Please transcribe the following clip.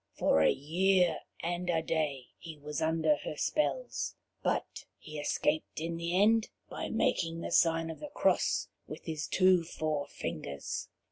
For a year and a day he was under her spells, but he escaped in the end by making the sign of the cross with his two forefingers.